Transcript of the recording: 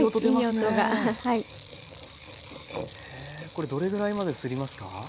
これどれぐらいまですりますか？